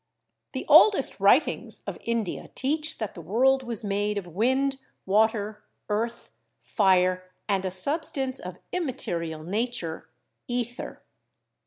The oldest writings of India teach that the world was made of wind, water, earth, fire, and a substance of imma io CHEMISTRY terial nature, ether.